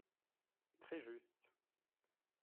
Très juste